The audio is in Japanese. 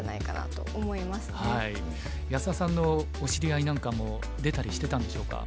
安田さんのお知り合いなんかも出たりしてたんでしょうか？